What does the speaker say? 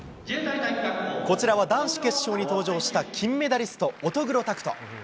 こちらは男子決勝に登場した、金メダリスト、乙黒拓斗。